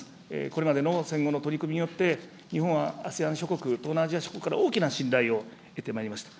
これまでの戦後の取り組みによって、日本はＡＳＥＡＮ諸国、東南アジア諸国から大きな信頼を得てまいりました。